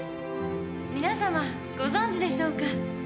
皆さまご存じでしょうか？